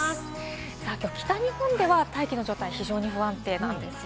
きょう、北日本から大気の状態が非常に不安定なんですよ。